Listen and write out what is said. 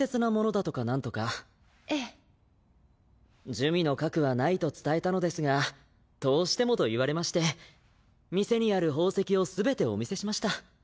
珠魅の核はないと伝えたのですがどうしてもと言われまして店にある宝石を全てお見せしました。